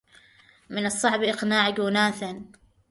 من الصعب إقناع جوناثن.